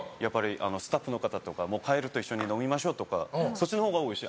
スタッフの方とか帰ると、一緒に飲みましょうとかそっちのほうが多いし